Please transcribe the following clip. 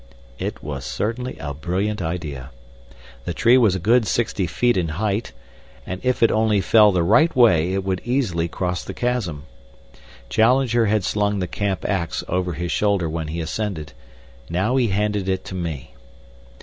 It was certainly a brilliant idea. The tree was a good sixty feet in height, and if it only fell the right way it would easily cross the chasm. Challenger had slung the camp axe over his shoulder when he ascended. Now he handed it to me.